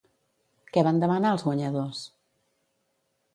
Què van demanar els guanyadors?